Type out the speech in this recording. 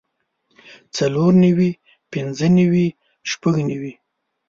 څلور نوي پنځۀ نوي شپږ نوي